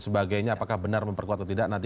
sebagainya apakah benar memperkuat atau tidak nanti